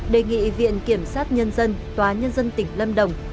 đề nghị viện kiểm sát nhân dân tòa nhân dân tỉnh lâm đồng